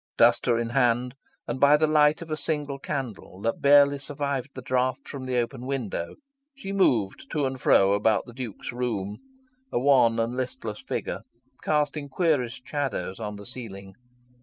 Duster in hand, and by the light of a single candle that barely survived the draught from the open window, she moved to and fro about the Duke's room, a wan and listless figure, casting queerest shadows on the ceiling.